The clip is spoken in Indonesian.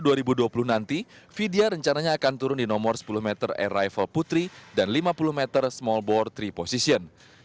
di olimpiade dua ribu dua puluh nanti vidya rencananya akan turun di nomor sepuluh meter air rifle putri dan lima puluh meter small board tiga position